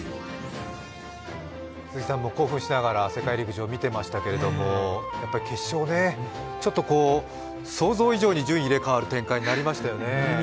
興奮しながら世界陸上見てましたけれどもちょっと想像以上に順位がいれ代わる展開になりましたよね。